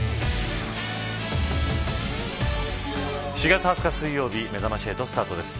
４月２０日、水曜日めざまし８スタートです。